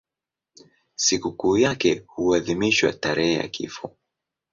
Sikukuu yake huadhimishwa tarehe ya kifo.